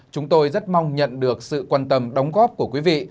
chúng tôi rất mong nhận được sự quan tâm đóng góp của quý vị